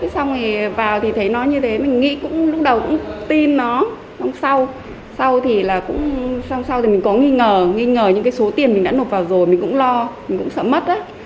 xong rồi vào thì thấy nó như thế mình nghĩ cũng lúc đầu cũng tin nó lúc sau thì mình có nghi ngờ nghi ngờ những số tiền mình đã nộp vào rồi mình cũng lo mình cũng sợ mất